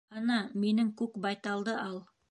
Ана, минең күк байталды ал.